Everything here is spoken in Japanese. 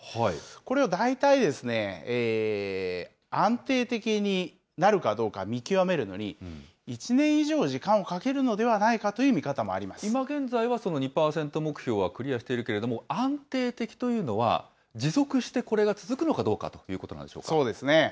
これを大体安定的になるかどうか見極めるのに、１年以上、時間をかけるのではないかという見方も今現在は２％目標はクリアしているけれども、安定的というのは、持続してこれが続くのかどうかということなんでしょうか。